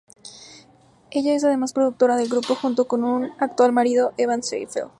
Ella es además productora del grupo, junto con su actual marido Evan Seinfeld.